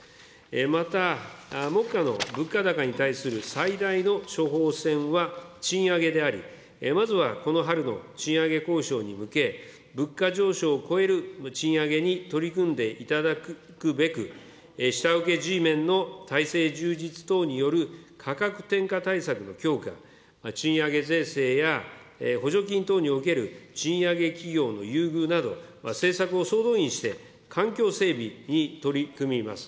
また、目下の物価高に対する最大の処方箋は賃上げであり、まずはこの春の賃上げ交渉に向け、物価上昇を超える賃上げに取り組んでいただくべく、下請けＧメンの体制充実等による価格転嫁対策の強化、賃上げ税制や補助金等における賃上げ企業の優遇など、政策を総動員して、環境整備に取り組みます。